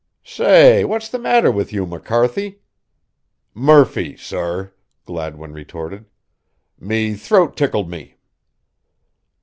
"Say, what's the matter with you, McCarthy?" "Murphy, sorr," Gladwin retorted. "Me throat tickled me."